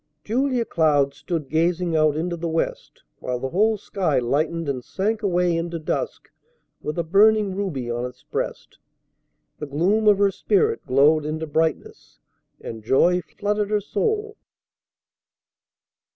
Julia Cloud stood gazing out into the west, while the whole sky lightened and sank away into dusk with a burning ruby on its breast. The gloom of her spirit glowed into brightness, and joy flooded her soul.